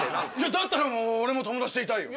だったら俺も友達でいたいよ。